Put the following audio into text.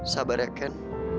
sabar ya ken